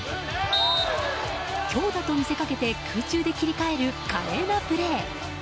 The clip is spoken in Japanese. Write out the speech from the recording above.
強打と見せかけて空中で切り替える華麗なプレー。